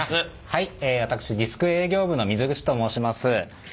はい私ディスク営業部の水口と申します。